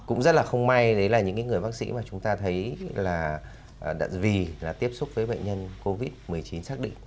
cũng rất là không may đấy là những người bác sĩ mà chúng ta thấy là vì là tiếp xúc với bệnh nhân covid một mươi chín xác định